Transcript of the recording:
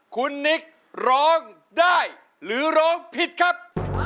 คุณนิกร้องได้หรือร้องผิดครับ